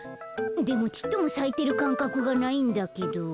でもちっともさいてるかんかくがないんだけど。